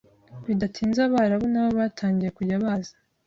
bidatinze Abarabu nabo batangiye kujya baza